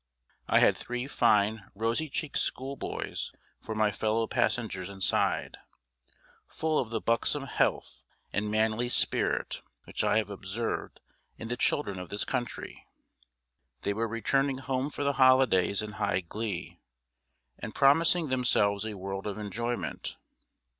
I had three fine rosy cheeked schoolboys for my fellow passengers inside, full of the buxom health and manly spirit which I have observed in the children of this country. They were returning home for the holidays in high glee, and promising themselves a world of enjoyment.